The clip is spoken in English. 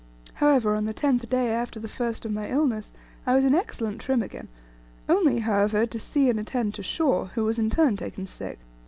However, on the tenth day after the first of my illness, I was in excellent trim again, only, however, to see and attend to Shaw, who was in turn taken sick.